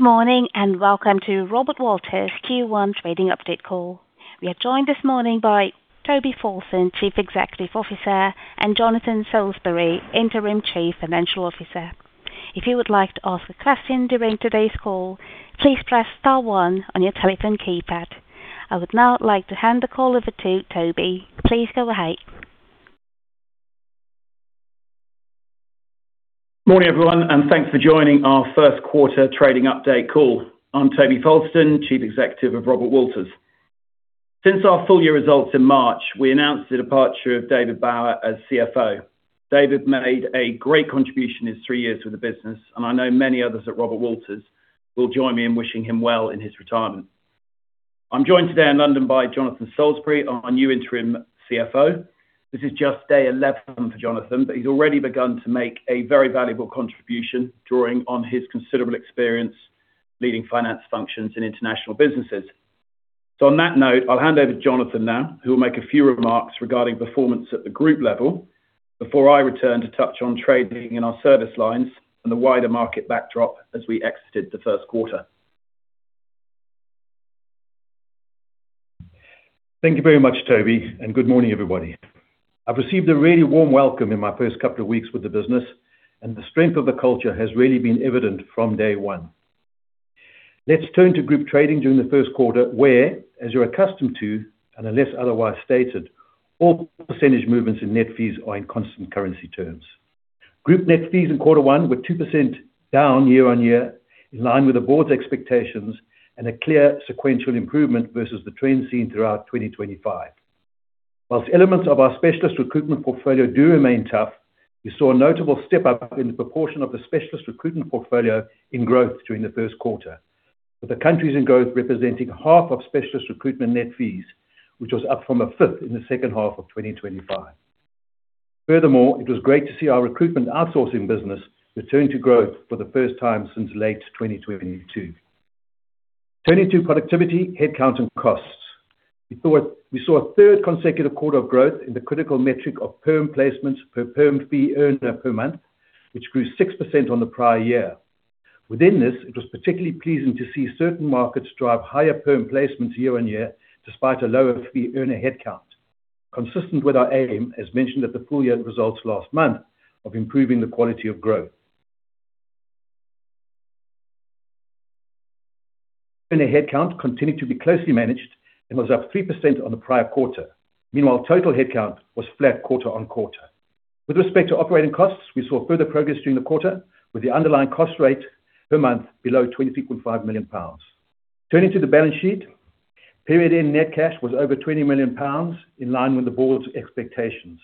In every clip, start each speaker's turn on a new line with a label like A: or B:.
A: Good morning and welcome to Robert Walters' Q1 trading update call. We are joined this morning by Toby Fowlston, Chief Executive Officer, and Jonathan Solesbury, Interim Chief Financial Officer. If you would like to ask a question during today's call, please press star one on your telephone keypad. I would now like to hand the call over to Toby. Please go ahead.
B: Morning, everyone, and thanks for joining our first quarter trading update call. I'm Toby Fowlston, Chief Executive of Robert Walters. Since our full year results in March, we announced the departure of David Bower as CFO. David made a great contribution his three years with the business, and I know many others at Robert Walters will join me in wishing him well in his retirement. I'm joined today in London by Jonathan Solesbury, our new Interim CFO. This is just day 11 for Jonathan, but he's already begun to make a very valuable contribution, drawing on his considerable experience leading finance functions in international businesses. On that note, I'll hand over to Jonathan now, who will make a few remarks regarding performance at the group level before I return to touch on trading in our service lines and the wider market backdrop as we exited the first quarter.
C: Thank you very much, Toby, and good morning, everybody. I've received a really warm welcome in my first couple of weeks with the business, and the strength of the culture has really been evident from day one. Let's turn to Group trading during the first quarter where, as you're accustomed to and unless otherwise stated, all percentage movements in net fees are in constant currency terms. Group net fees in quarter one were 2% down year-on-year in line with the Board's expectations and a clear sequential improvement versus the trend seen throughout 2025. Whilst elements of our specialist recruitment portfolio do remain tough, we saw a notable step-up in the proportion of the specialist recruitment portfolio in growth during the first quarter, with the countries in growth representing half of specialist recruitment net fees, which was up from a fifth in the second half of 2025. Furthermore, it was great to see our recruitment outsourcing business return to growth for the first time since late 2022. Turning to productivity, headcount, and costs, we saw a third consecutive quarter of growth in the critical metric of perm placements per perm fee earner per month, which grew 6% on the prior year. Within this, it was particularly pleasing to see certain markets drive higher perm placements year-on-year, despite a lower fee earner headcount. Consistent with our aim, as mentioned at the full-year results last month, of improving the quality of growth, earner headcount continued to be closely managed and was up 3% on the prior quarter. Meanwhile, total headcount was flat quarter-on-quarter. With respect to operating costs, we saw further progress during the quarter with the underlying cost rate per month below 23.5 million pounds. Turning to the balance sheet, period-end net cash was over 20 million pounds, in line with the Board's expectations.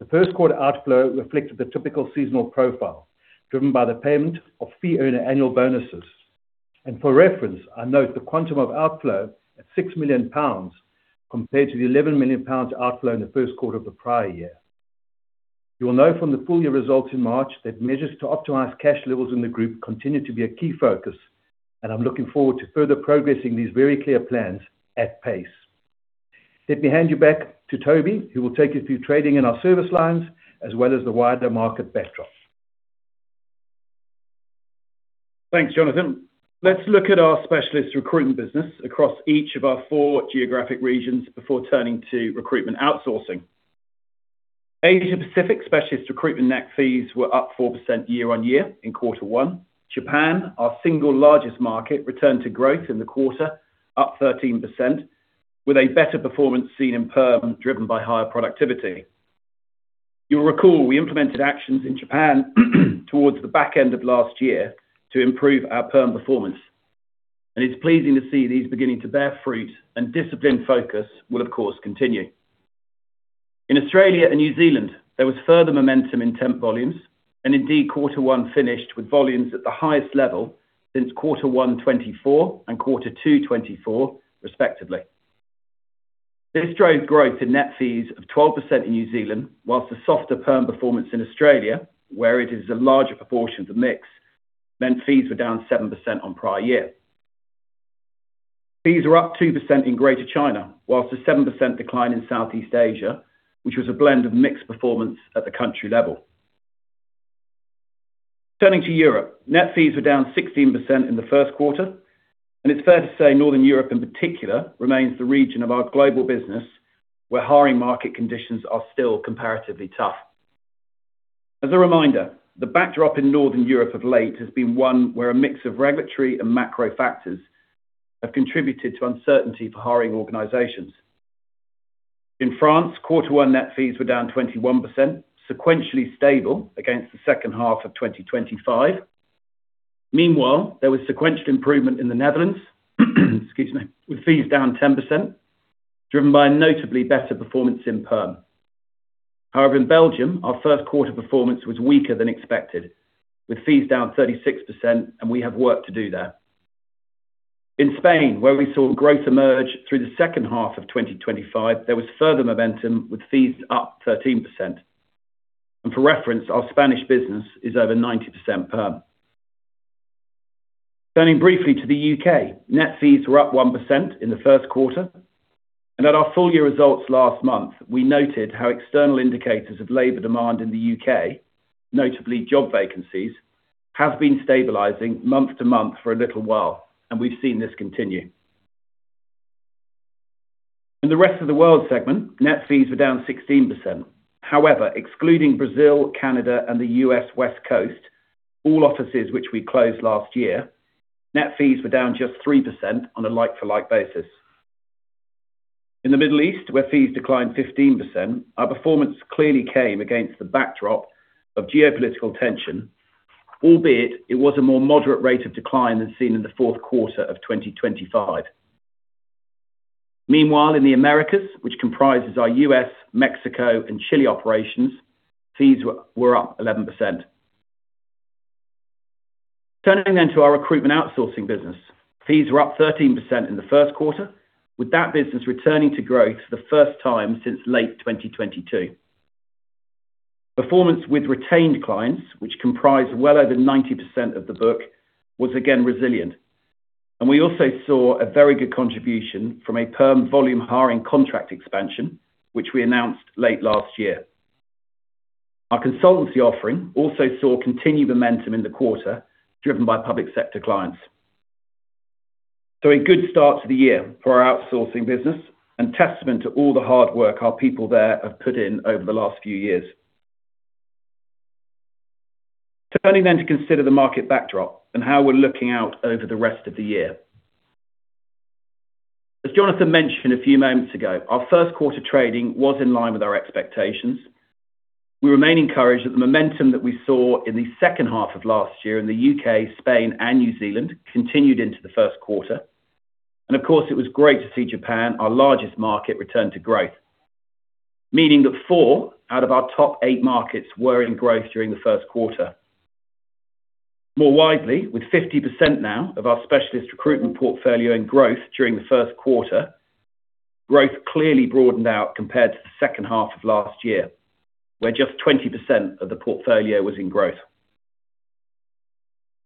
C: The first quarter outflow reflected the typical seasonal profile, driven by the payment of fee earner annual bonuses. For reference, I note the quantum of outflow at 6 million pounds compared to the 11 million pounds outflow in the first quarter of the prior year. You will know from the Full Year results in March that measures to optimize cash levels in the Group continue to be a key focus, and I'm looking forward to further progressing these very clear plans at pace. Let me hand you back to Toby, who will take you through trading in our service lines as well as the wider market backdrop.
B: Thanks, Jonathan. Let's look at our specialist recruitment business across each of our four geographic regions before turning to recruitment outsourcing. Asia Pacific specialist recruitment net fees were up 4% year-on-year in quarter one. Japan, our single largest market, returned to growth in the quarter, up 13%, with a better performance seen in perm driven by higher productivity. You'll recall we implemented actions in Japan towards the back end of last year to improve our perm performance, and it's pleasing to see these beginning to bear fruit, and disciplined focus will, of course, continue. In Australia and New Zealand, there was further momentum in temp volumes, and indeed, quarter 1 finished with volumes at the highest level since quarter 1 2024 and quarter 2 2024 respectively. This drove growth in net fees of 12% in New Zealand, whilst the softer perm performance in Australia, where it is a larger proportion of the mix, meant fees were down 7% on prior year. Fees were up 2% in Greater China, whilst a 7% decline in Southeast Asia, which was a blend of mixed performance at the country level. Turning to Europe, net fees were down 16% in the first quarter, and it's fair to say Northern Europe in particular remains the region of our global business where hiring market conditions are still comparatively tough. As a reminder, the backdrop in Northern Europe of late has been one where a mix of regulatory and macro factors have contributed to uncertainty for hiring organizations. In France, quarter 1 net fees were down 21%, sequentially stable against the second half of 2025. Meanwhile, there was sequential improvement in the Netherlands, excuse me, with fees down 10%, driven by a notably better performance in perm. However, in Belgium, our first quarter performance was weaker than expected, with fees down 36%, and we have work to do there. In Spain, where we saw growth emerge through the second half of 2025, there was further momentum with fees up 13%. For reference, our Spanish business is over 90% perm. Turning briefly to the U.K., net fees were up 1% in the first quarter. At our Full Year results last month, we noted how external indicators of labor demand in the U.K., notably job vacancies, have been stabilizing month-to-month for a little while. We've seen this continue. In the Rest of the World segment, net fees were down 16%. However, excluding Brazil, Canada and the U.S. West Coast, all offices which we closed last year, net fees were down just 3% on a like-to-like basis. In the Middle East, where fees declined 15%, our performance clearly came against the backdrop of geopolitical tension, albeit it was a more moderate rate of decline than seen in the fourth quarter of 2025. Meanwhile, in the Americas, which comprises our U.S., Mexico and Chile operations, fees were up 11%. Turning then to our recruitment outsourcing business. Fees were up 13% in the first quarter, with that business returning to growth for the first time since late 2022. Performance with retained clients, which comprise well over 90% of the book, was again resilient, and we also saw a very good contribution from a perm volume hiring contract expansion, which we announced late last year. Our consultancy offering also saw continued momentum in the quarter, driven by public sector clients. A good start to the year for our outsourcing business and testament to all the hard work our people there have put in over the last few years. Turning then to consider the market backdrop and how we're looking out over the rest of the year, as Jonathan mentioned a few moments ago, our first quarter trading was in line with our expectations. We remain encouraged that the momentum that we saw in the second half of last year in the U.K., Spain, and New Zealand continued into the first quarter. Of course, it was great to see Japan, our largest market, return to growth, meaning that four out of our top eight markets were in growth during the first quarter. More widely, with 50% now of our specialist recruitment portfolio in growth during the first quarter, growth clearly broadened out compared to the second half of last year, where just 20% of the portfolio was in growth.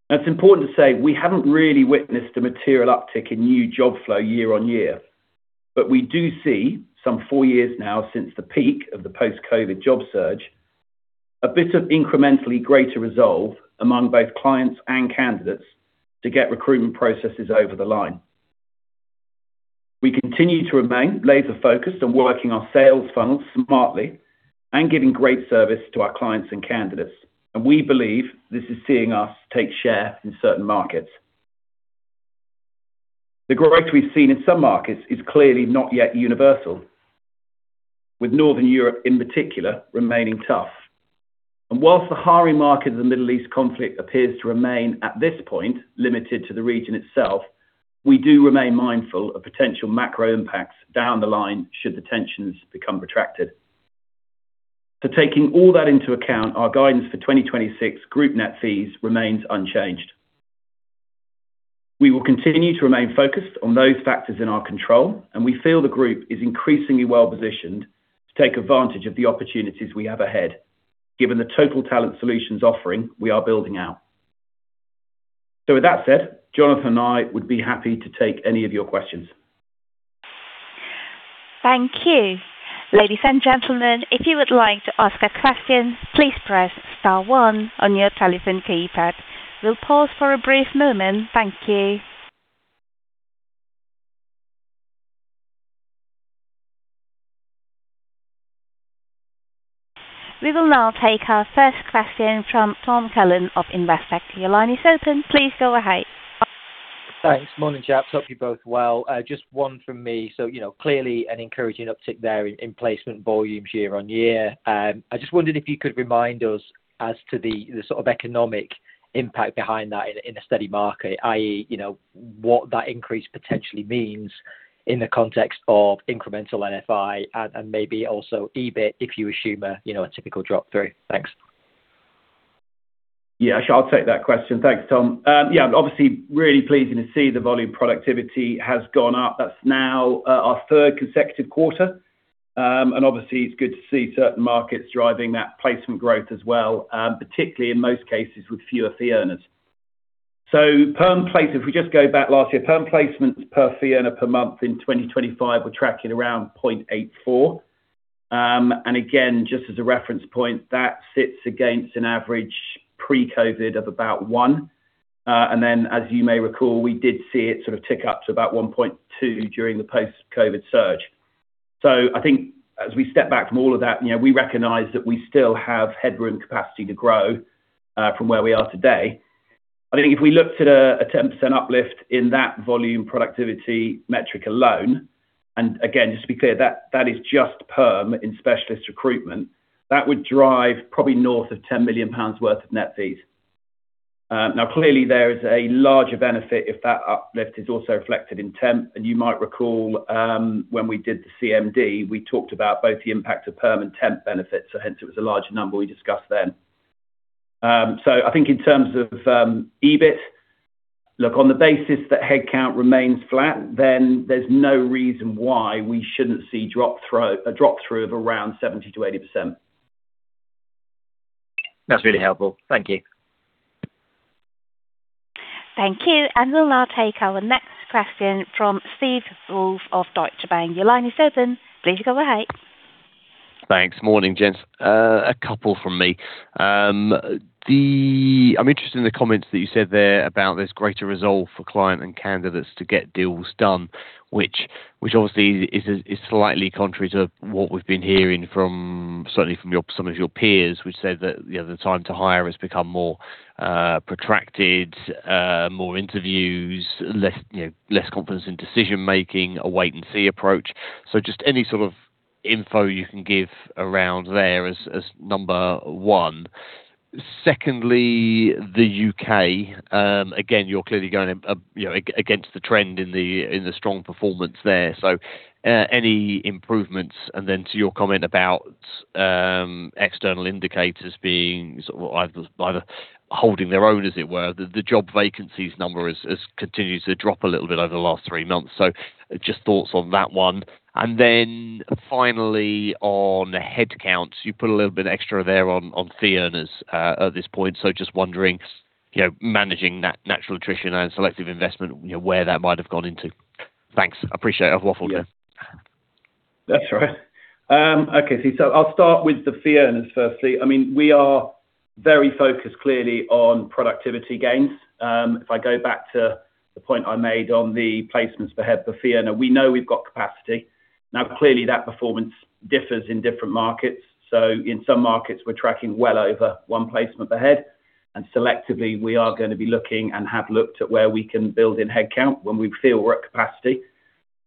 B: Now, it's important to say we haven't really witnessed a material uptick in new job flow year-on-year, but we do see some four years now since the peak of the post-COVID job surge, a bit of incrementally greater resolve among both clients and candidates to get recruitment processes over the line. We continue to remain laser-focused on working our sales funnels smartly and giving great service to our clients and candidates, and we believe this is seeing us take share in certain markets. The growth we've seen in some markets is clearly not yet universal, with Northern Europe in particular remaining tough. Whilst the hiring market in the Middle East conflict appears to remain at this point limited to the region itself, we do remain mindful of potential macro impacts down the line should the tensions become protracted. Taking all that into account, our guidance for 2026 Group net fees remains unchanged. We will continue to remain focused on those factors in our control, and we feel the Group is increasingly well-positioned to take advantage of the opportunities we have ahead, given the Total Talent Solutions offering we are building out. With that said, Jonathan and I would be happy to take any of your questions.
A: Thank you. Ladies and gentlemen, if you would like to ask a question, please press star one on your telephone keypad. We'll pause for a brief moment. Thank you. We will now take our first question from Tom Callan of Investec. Your line is open. Please go ahead.
D: Thanks. Morning, chaps. Hope you're both well. Just one from me. Clearly an encouraging uptick there in placement volumes year-on-year. I just wondered if you could remind us as to the sort of economic impact behind that in a steady market, i.e., what that increase potentially means in the context of incremental NFI and maybe also EBIT, if you assume a typical drop-through. Thanks.
B: Yeah, sure. I'll take that question. Thanks, Tom. Yeah. Obviously, really pleasing to see the volume productivity has gone up. That's now our third consecutive quarter. Obviously, it's good to see certain markets driving that placement growth as well, particularly in most cases with fewer fee earners. If we just go back last year, perm placements per fee earner per month in 2025, we're tracking around 0.84. Again, just as a reference point, that sits against an average pre-COVID of about one. As you may recall, we did see it sort of tick up to about 1.2 during the post-COVID surge. I think as we step back from all of that, we recognize that we still have headroom capacity to grow from where we are today. I think if we looked at a 10% uplift in that volume productivity metric alone, and again, just to be clear, that is just perm in specialist recruitment, that would drive probably north of 10 million pounds worth of net fees. Now, clearly there is a larger benefit if that uplift is also reflected in temp. You might recall, when we did the CMD, we talked about both the impact of perm and temp benefits. Hence it was a larger number we discussed then. I think in terms of EBIT, look, on the basis that headcount remains flat, then there's no reason why we shouldn't see a drop through of around 70% to 80%.
D: That's really helpful. Thank you.
A: Thank you. We'll now take our next question from Steve Woolf of Deutsche Bank. Your line is open. Please go ahead.
E: Thanks. Morning, gents. A couple from me. I'm interested in the comments that you said there about this greater resolve for client and candidates to get deals done, which obviously is slightly contrary to what we've been hearing certainly from some of your peers, which said that the time to hire has become more protracted, more interviews, less confidence in decision making, a wait and see approach. Just any sort of info you can give around there as number one. Secondly, the U.K., again, you're clearly going against the trend in the strong performance there. Any improvements? To your comment about external indicators being sort of either holding their own, as it were, the job vacancies number has continued to drop a little bit over the last three months. Just thoughts on that one. Finally on headcounts, you put a little bit extra there on fee earners, at this point. Just wondering, managing that natural attrition and selective investment, where that might have gone into. Thanks, appreciate it. I've waffled here.
B: Yeah. That's all right. Okay, Steve. I'll start with the fee earners firstly. We are very focused clearly on productivity gains. If I go back to the point I made on the placements per head per fee earner, we know we've got capacity. Now, clearly that performance differs in different markets. In some markets we're tracking well over one placement per head, and selectively we are going to be looking and have looked at where we can build in headcount when we feel we're at capacity.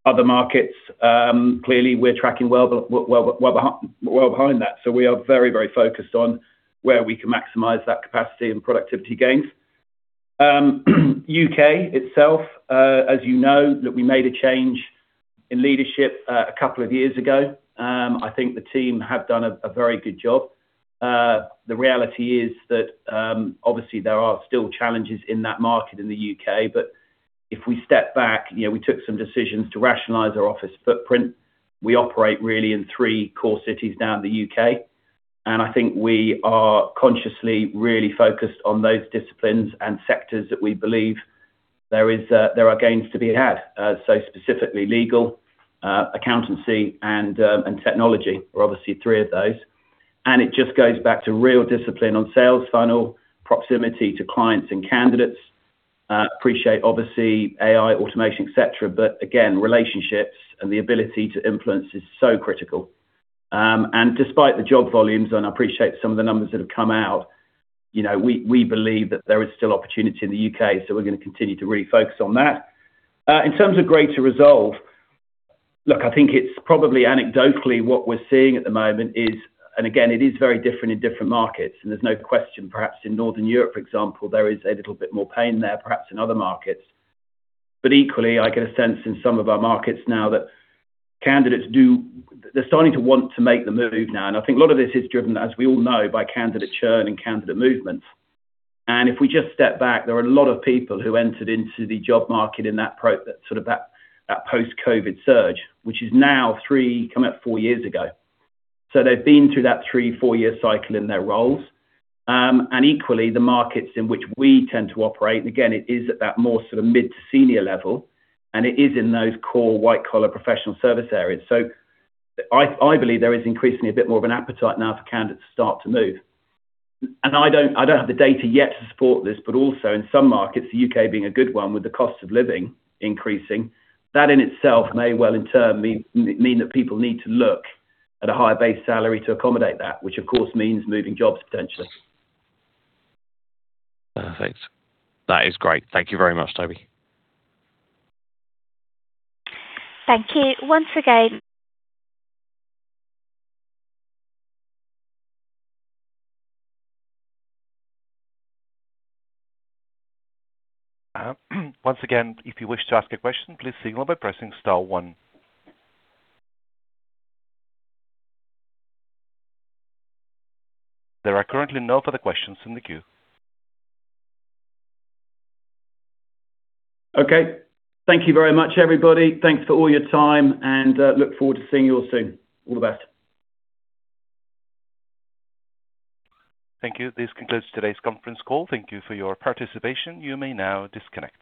B: Other markets, clearly we're tracking well behind that. We are very focused on where we can maximize that capacity and productivity gains. The U.K. itself, as you know, look, we made a change in leadership a couple of years ago. I think the team have done a very good job. The reality is that obviously there are still challenges in that market in the U.K. If we step back, we took some decisions to rationalize our office footprint. We operate really in three core cities now in the U.K., and I think we are consciously really focused on those disciplines and sectors that we believe there are gains to be had. Specifically legal, accountancy, and technology are obviously three of those. It just goes back to real discipline on sales funnel, proximity to clients and candidates. Appreciate obviously AI, automation, et cetera, but again, relationships and the ability to influence is so critical. Despite the job volumes, and I appreciate some of the numbers that have come out, we believe that there is still opportunity in the U.K., so we're going to continue to really focus on that. In terms of greater resolve, look, I think it's probably anecdotally what we're seeing at the moment is, and again, it is very different in different markets. There's no question perhaps in Northern Europe, for example, there is a little bit more pain there, perhaps in other markets. Equally, I get a sense in some of our markets now that candidates, they're starting to want to make the move now. I think a lot of this is driven, as we all know, by candidate churn and candidate movement. If we just step back, there are a lot of people who entered into the job market in that post-COVID surge, which is now three, coming up four years ago. They've been through that three-four-year cycle in their roles. Equally, the markets in which we tend to operate, and again, it is at that more sort of mid- to senior-level, and it is in those core white-collar professional service areas. I believe there is increasingly a bit more of an appetite now for candidates to start to move. I don't have the data yet to support this, but also in some markets, the U.K. being a good one with the cost of living increasing, that in itself may well in turn mean that people need to look at a higher base salary to accommodate that, which of course means moving jobs potentially.
E: Thanks. That is great. Thank you very much, Toby.
A: Thank you once again. Once again, if you wish to ask a question, please signal by pressing star one. There are currently no further questions in the queue.
B: Okay. Thank you very much, everybody. Thanks for all your time, and I look forward to seeing you all soon. All the best.
A: Thank you. This concludes today's conference call. Thank you for your participation. You may now disconnect.